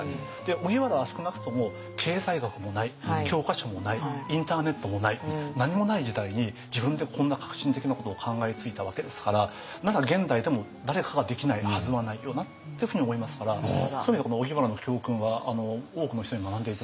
荻原は少なくとも経済学もない教科書もないインターネットもない何もない時代に自分でこんな革新的なことを考えついたわけですからなら現代でも誰かができないはずはないよなっていうふうに思いますからそういう意味ではこの荻原の教訓は多くの人に学んで頂きたいですね。